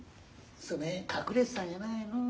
その辺隠れてたんじゃないの。